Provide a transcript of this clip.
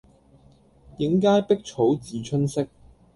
映階碧草自春色